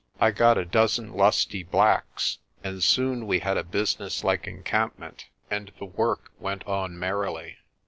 I got a dozen lusty blacks, and soon we had a business like encampment, and the work went on merrily.